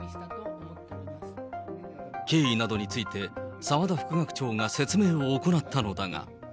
経緯などについて、澤田副学長が説明を行ったのだが。